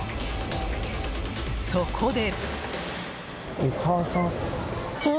そこで。